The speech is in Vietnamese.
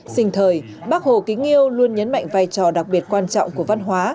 sinh thời bác hồ kính yêu luôn nhấn mạnh vai trò đặc biệt quan trọng của văn hóa